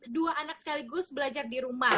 dua anak sekaligus belajar di rumah